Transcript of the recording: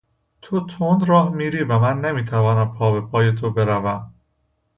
تو تند راه میروی و من نمیتوانم پابهپای تو بروم.